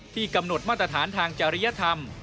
กำหนดมาตรฐานทางจริยธรรม